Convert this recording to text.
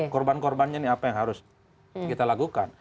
korban korbannya ini apa yang harus kita lakukan